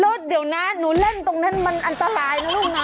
แล้วเดี๋ยวนะหนูเล่นตรงนั้นมันอันตรายนะลูกนะ